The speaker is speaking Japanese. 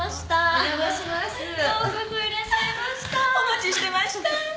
お待ちしてました。